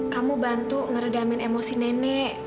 kamu bantu ngeredamin emosi nenek